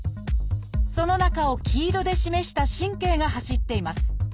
その中を黄色で示した神経が走っています。